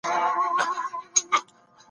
استادانو ويل چي د ډلو ګټي کله ناکله ټکر کوي.